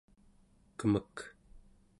kemek